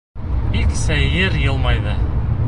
Бик сәйер йылмайҙы.